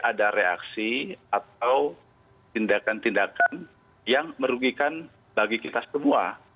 ada reaksi atau tindakan tindakan yang merugikan bagi kita semua